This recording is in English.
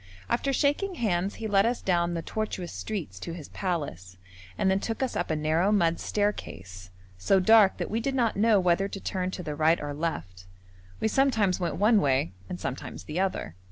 After shaking hands he led us down the tortuous streets to his palace, and then took us up a narrow mud staircase, so dark that we did not know whether to turn to the right or left; we sometimes went one way and sometimes the other.